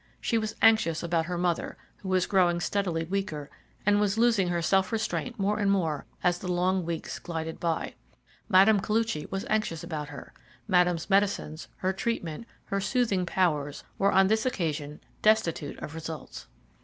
She was anxious about her mother, who was growing steadily weaker, and was losing her self restraint more and more as the long weeks glided by. Mme. Koluchy was anxious about her. Madame's medicines, her treatment, her soothing powers, were on this occasion destitute of results.